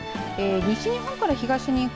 西日本から東日本